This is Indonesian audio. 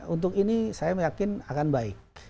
untuk ini saya yakin akan baik